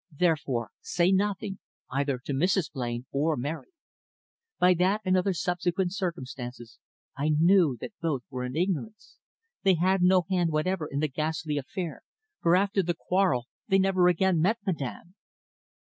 `Therefore say nothing, either to Mrs. Blain or Mary.' By that, and other subsequent circumstances, I knew that both were in ignorance. They had no hand whatever in the ghastly affair, for after the quarrel they never again met Madame.